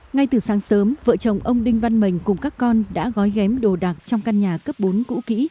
ngay từ sáng sớm vợ chồng ông đinh văn mình cùng các con đã gói ghém đồ đạc trong căn nhà cấp bốn cũ kỹ